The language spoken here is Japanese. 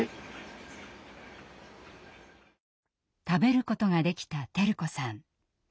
食べることができた輝子さん。